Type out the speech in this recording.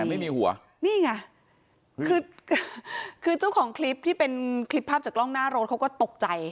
นี่พี่อุ๋ยค่ะคือเจ้าของคลิปที่เป็นคลิปภาพจากล้องหน้ารถเขาก็ตกใจ